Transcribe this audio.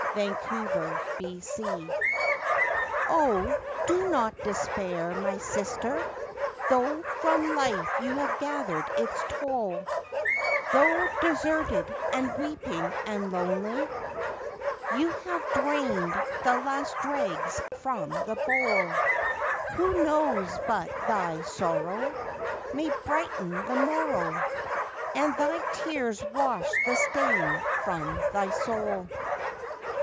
CONSOLATION 0, do not despair, my sister, Though from life you have gathered its toll, Though deserted and weeping and lonely, You have drained the last dregs from the bowl Who knows but thy sorrow May brighten the morrow, And thy tears wash the stain from thy soul.